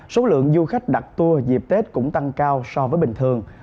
số lượng du khách đặt tour dịp tết cũng tăng cao so với bình thường